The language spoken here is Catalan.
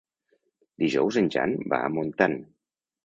Dijous en Jan va a Montant.